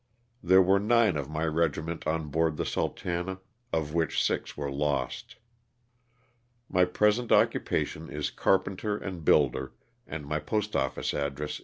There were nine of my regiment on board the " Sultana," of which six were lost. My present occupation is carpenter and builder, and my postoffice address Tulare, Oal.